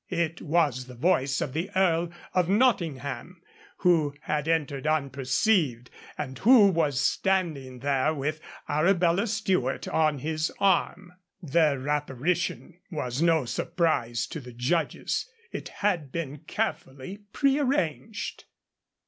It was the voice of the Earl of Nottingham, who had entered unperceived, and who was standing there with Arabella Stuart on his arm. Their apparition was no surprise to the judges; it had been carefully prearranged.